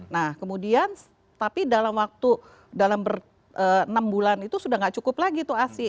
nah kemudian tapi dalam waktu dalam enam bulan itu sudah tidak cukup lagi tuh asi